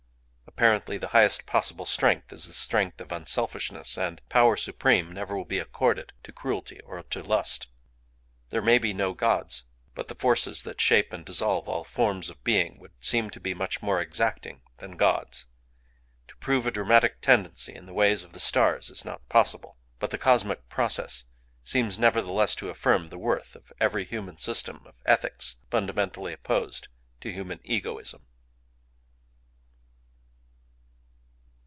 Apparently, the highest possible strength is the strength of unselfishness; and power supreme never will be accorded to cruelty or to lust. There may be no gods; but the forces that shape and dissolve all forms of being would seem to be much more exacting than gods. To prove a "dramatic tendency" in the ways of the stars is not possible; but the cosmic process seems nevertheless to affirm the worth of every human system of ethics fundamentally opposed to human egoism.